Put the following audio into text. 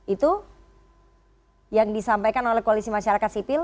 itu yang disampaikan oleh koalisi masyarakat sipil